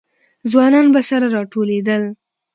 ځوانان به سره راټولېدل.